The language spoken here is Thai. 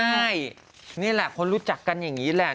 ใช่นี่แหละคนรู้จักกันอย่างนี้แหละ